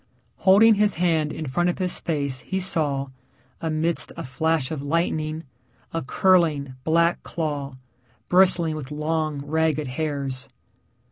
Holding his hand in front of his face he saw, amidst a flash of lightning, a curling, black claw, bristling with long, ragged hairs.